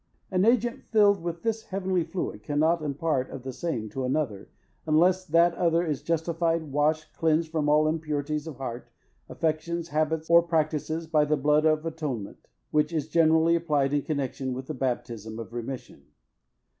An agent filled with this heavenly fluid cannot impart of the same to another, unless that other is justified, washed, cleansed from all his impurities of heart, affections, habits or practices, by the blood of atonement, which is generally applied in connexion with the baptism of remission.